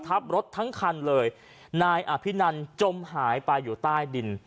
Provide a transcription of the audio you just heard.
ทับรถทั้งคันเลยนายอภินันจมหายไปอยู่ใต้ดิน